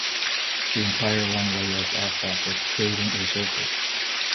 The entire runway was asphalted, creating a surface.